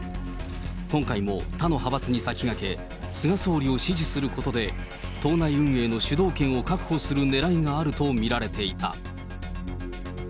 今回も他の派閥に先駆け、菅総理を支持することで、党内運営の主導権を確保するねらいがあると見られていた。